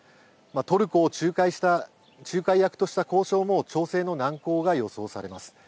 トルコを仲介役とした交渉も調整の難航が予想されます。